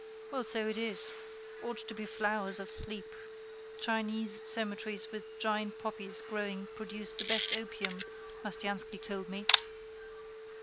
Well, so it is. Ought to be flowers of sleep. Chinese cemeteries with giant poppies growing produce the best opium Mastiansky told me.